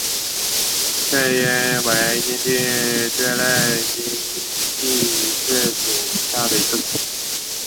蕨萁为阴地蕨科阴地蕨属下的一个种。